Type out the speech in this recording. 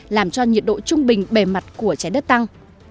làm cho nhiệt độ trung bình bề mặt của trái đất tăng